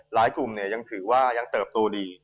กลุ่มยังถือว่ายังเติบโตดี